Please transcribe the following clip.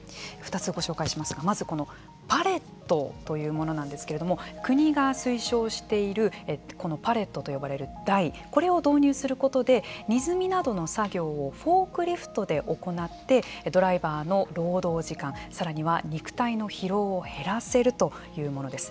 ２つご紹介しますがまずこのパレットというものなんですけれども国が推奨しているこのパレットと呼ばれる台これを導入することで荷積みなどの作業をフォークリフトで行ってドライバーの労働時間さらには肉体の疲労を減らせるというものです。